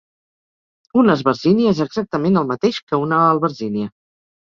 Una esbergínia és exactament el mateix que una albergínia.